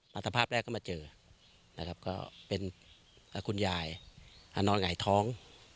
สภาพแรกก็มาเจอนะครับก็เป็นคุณยายนอนหงายท้อง